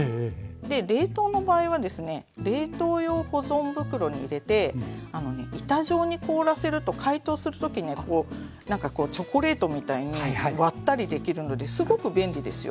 冷凍の場合はですね冷凍用保存袋に入れて板状に凍らせると解凍する時ねなんかこうチョコレートみたいに割ったりできるのですごく便利ですよ。